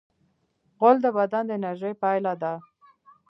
غول د بدن د انرژۍ پایله ده.